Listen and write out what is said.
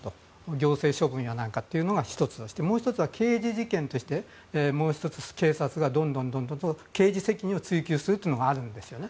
行政処分や何かというのが１つとしてもう１つは刑事事件として警察がどんどんと刑事責任を追及するというのがあるんですね。